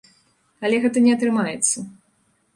Але гэта не атрымаецца.